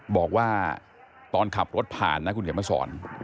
บอกว่าตอนขับรถผ่านนะคุณเขียนมาสอน